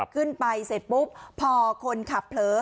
ขึ้นไปเสร็จปุ๊บพอคนขับเผลอ